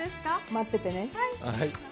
待っててね。